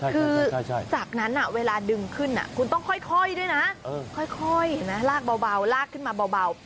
คือจากนั้นเวลาดึงขึ้นคุณต้องค่อยด้วยนะค่อยเห็นไหมลากเบาลากขึ้นมาเบา